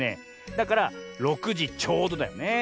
だから６じちょうどだよね。